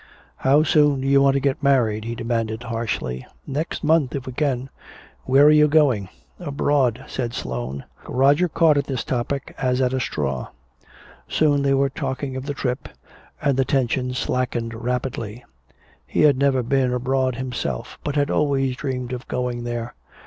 "How soon do you want to get married?" he demanded harshly. "Next month, if we can." "Where are you going?" "Abroad," said Sloane. Roger caught at this topic as at a straw. Soon they were talking of the trip, and the tension slackened rapidly. He had never been abroad himself but had always dreamed of going there.